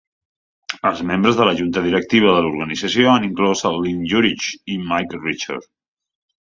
Els membres de la junta directiva de l'organització han inclòs Lynn Jurich i Mike Richter.